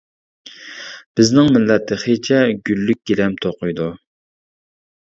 بىزنىڭ مىللەت تېخىچە، گۈللۈك گىلەم توقۇيدۇ.